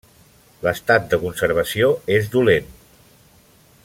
L'estat de conservació és dolent.